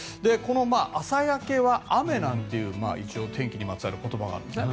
朝焼けは雨なんていう天気にまつわる言葉があるんですね。